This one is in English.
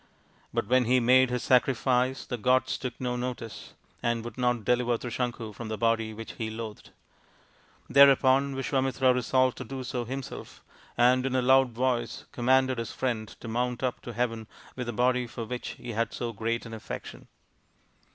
But when he made his sacrifice the gods took no notice, and would not deliver Trisanku from the body which he loathed. Thereupon Visvamitra resolved to do so himself, and in a loud voice commanded his friend to mount up to heaven with the body for which he had so great an affection.